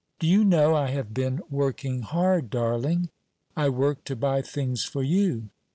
"Do you know, I have been working hard, darling? I work to buy things for you."